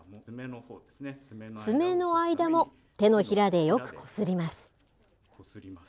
爪の間も手のひらでよくこすります。